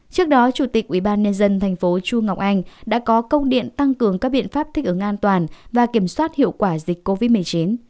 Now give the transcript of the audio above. trước đó chủ tịch ubnd tp chu ngọc anh đã có công điện tăng cường các biện pháp thích ứng an toàn và kiểm soát hiệu quả dịch covid một mươi chín